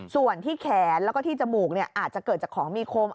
ส่วนที่แขนแล้วก็ที่จมูกอาจจะเกิดจากของมีคม